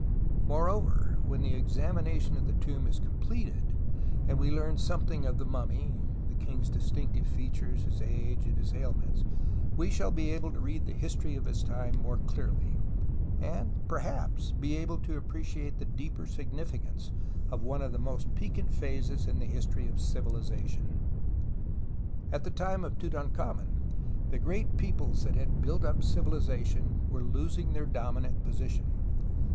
iNIoreover, when the examina tion of the tomb is completed, and we learn something of the mummy, the king's distinctive features, his age, and his ailments, we shall be able to read the history of his time more clearly, and perhaps be able to appreciate the deeper significance of one of the most piquant phases in the history of civilization. At the time of Tutankhamen the great peoples that had built up civilization were losing their dominant position.